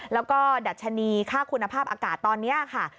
แล้วก็ดัชนีค่าคุณภาพอากาศตอนนี้ค่ะ